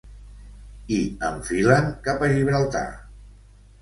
I enfilen cap a Gibraltar.